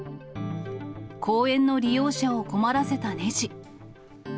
公園の利用者を困らせたねじ。